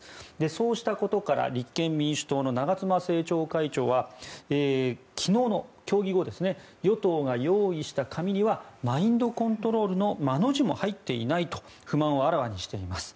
そうしたことから立憲民主党の長妻政調会長は昨日の協議後与党が用意した紙にはマインドコントロールのマの字も入っていないと不満をあらわにしています。